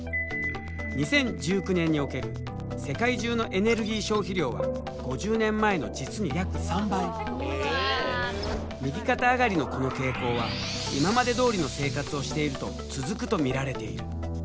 ２０１９年における世界中のエネルギー消費量は５０年前の実に約３倍右肩上がりのこの傾向は今までどおりの生活をしていると続くと見られている。